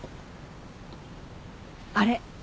あれ？